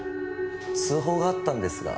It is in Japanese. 通報があったんですが。